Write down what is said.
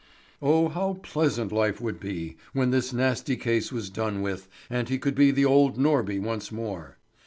Oh, how pleasant life would be, when this nasty case was done with, and he could be the old Norby once more!